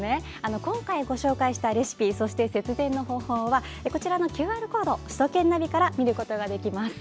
今回ご紹介したレシピ節電の方法はこちらのＱＲコード首都圏ナビから見ることができます。